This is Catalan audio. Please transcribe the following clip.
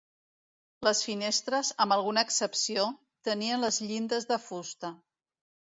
Les finestres, amb alguna excepció, tenien les llindes de fusta.